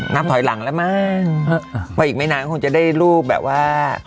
นับถอยหลังแล้วมั้งเพราะอีกไม่นานก็คงจะได้รูปแบบว่า